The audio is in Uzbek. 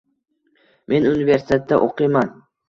Men universitetda o'qiyman.